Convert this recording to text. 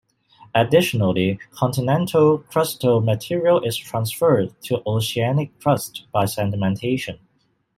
Additionally, continental crustal material is transferred to oceanic crust by sedimentation.